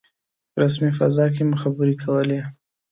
رسمي فضا کې مو خبرې کولې.